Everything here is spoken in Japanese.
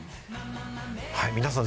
皆さん